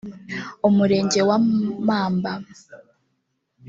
Umurenge wa Mamba